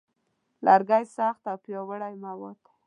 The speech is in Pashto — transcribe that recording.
لرګی سخت او پیاوړی مواد دی.